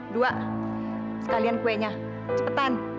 dua sekalian kuenya cepetan